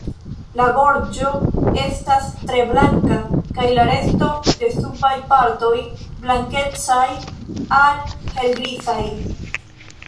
La gorĝo estas tre blanka kaj la resto de subaj partoj blankecaj al helgrizaj.